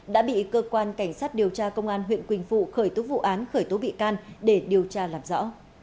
đã bị cơ quan cảnh sát điều tra công an huyện quỳnh phụ khởi tố vụ án khởi tố bị can để điều tra làm rõ